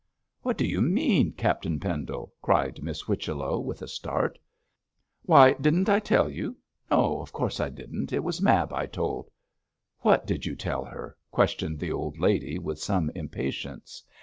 'What do you mean, Captain Pendle?' cried Miss Whichello, with a start. 'Why, didn't I tell you? No, of course I didn't; it was Mab I told.' 'What did you tell her?' questioned the old lady, with some impatience.